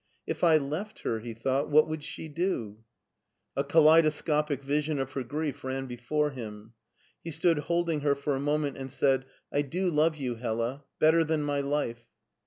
" If I left her/' he thought, " what would she do !" A kaleidoscopic vision of her grief ran before him. He stood holding her for a moment, and said, " I do love you, Hella, better than my life.